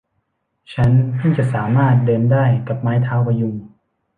ฉันเพิ่งจะสามารถเดินได้กับไม้เท้าพยุง